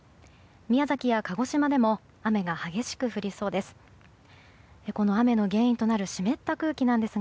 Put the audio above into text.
宮崎や鹿児島でも雨が激しく降りそうです。